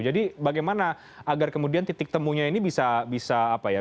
jadi bagaimana agar kemudian titik temunya ini bisa bisa apa ya